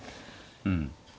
うん。